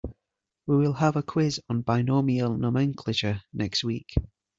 We will have a quiz on binomial nomenclature next week.